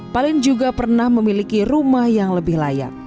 paling juga pernah memiliki rumah yang lebih layak